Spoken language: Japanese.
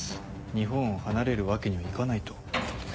「日本を離れるわけにはいかない」と。